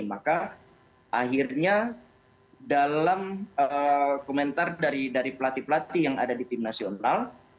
maka akhirnya dalam komentar dari pelatih pelatih yang ada di tim nasional